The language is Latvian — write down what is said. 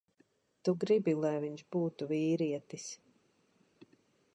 Tu gribi, lai viņš būtu vīrietis.